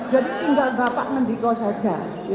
jadi tinggal bapak mendiko saja